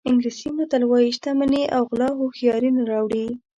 انګلیسي متل وایي شتمني او غلا هوښیاري نه راوړي.